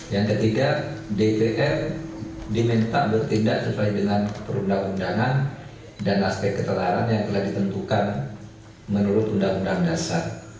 yang ketiga dpr diminta bertindak sesuai dengan perundang undangan dan aspek ketelaran yang telah ditentukan menurut undang undang dasar